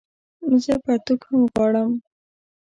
زه پرتوګ هم غواړم